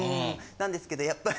なんですけどやっぱり。